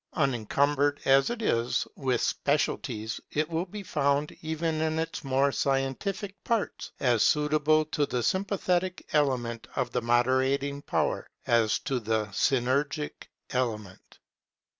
Unencumbered as it is with specialities, it will be found, even in its more scientific parts, as suitable to the sympathetic element of the moderating power, as to the synergic element.